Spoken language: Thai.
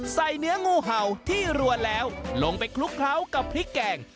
เนื้องูเห่าที่รัวแล้วลงไปคลุกเคล้ากับพริกแกง